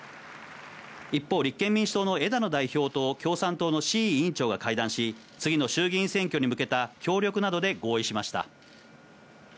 一方、立憲民主党の枝野代表と共産党の志位委員長が会談し、次の衆議院選挙に向けた協力などで合意しました。